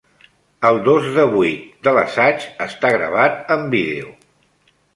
El dos de vuit de l'assaig està gravat en vídeo